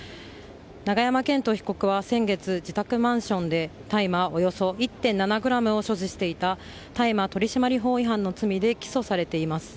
永山絢斗被告は先月自宅マンションで大麻およそ１．７ｇを所持していた大麻取締法違反の罪で起訴されています。